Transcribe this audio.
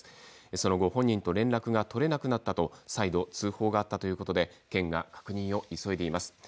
その後、本人と連絡が取れなくなったと再度通報があったということで県が確認を急いでいます。